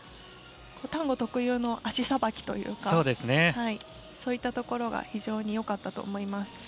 タンゴ特有の足さばきというかそういうところが非常によかったと思います。